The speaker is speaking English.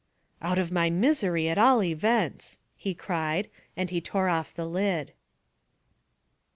"Out of my misery at all events," he cried; and he tore off the lid.